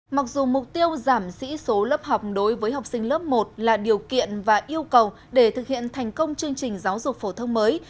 mặc dù mục tiêu giảm sĩ số lớp học đối với học sinh lớp một là điều kiện và yêu cầu để thực hiện thành công chương trình giáo dục phổ thông mới